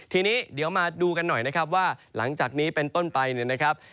ทีนี้เดี๋ยวมาดูกันหน่อยนะครับว่าหลังจากนี้เป็นต้นไปเนี่ยนะครับ